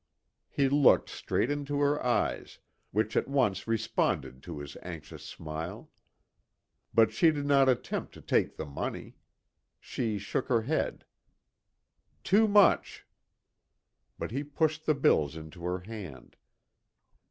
He looked straight into her eyes, which at once responded to his anxious smile. But she did not attempt to take the money. She shook her head. "Too much." But he pushed the bills into her hand.